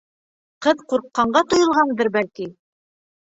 Ҡыҙға ҡурҡҡанға тойолғандыр, бәлки.